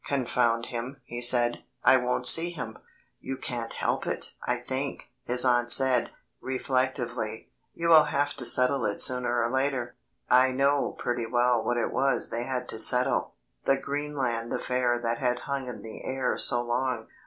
"Confound him," he said, "I won't see him." "You can't help it, I think," his aunt said, reflectively; "you will have to settle it sooner or later." I know pretty well what it was they had to settle the Greenland affair that had hung in the air so long.